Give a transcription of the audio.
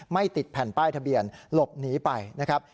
ไม่ติดแผ่นป้ายทะเบียนหลบหนีไปนะครับ